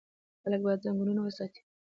خلک باید ځنګلونه وساتي.